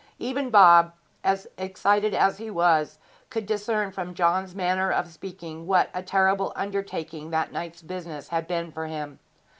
Even Bob, excited as he was, could discern from John's manner of speaking what a terrible undertaking that night's business had been for him.